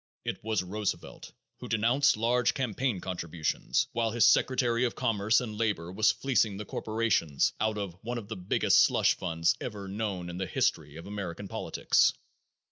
It was Roosevelt who denounced large campaign contributions, while his secretary of commerce and labor was fleecing the corporations out of one of the biggest slush funds ever known in the history of American politics."